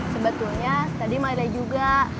sebetulnya tadi marah juga